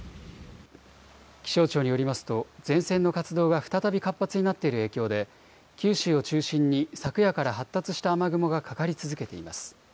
気象庁によりますと前線の活動が再び活発になっている影響で九州を中心に昨夜から発達した雨雲がかかり続けています。